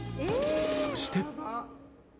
そして。